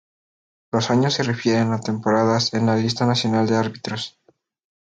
Los años se refieren a temporadas en la Lista Nacional de Árbitros.